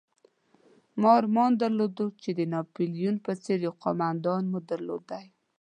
ما ارمان درلود چې د ناپلیون په څېر یو قومندان مو درلودلای.